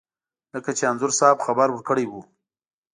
لکه چې انځور صاحب خبر ورکړی و.